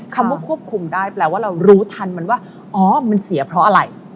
คำว่าควบคุมได้แปลว่าเรารู้ทันมันว่าอ๋อมันเสียเพราะอะไร